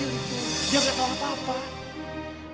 dia tidak tahu apa apa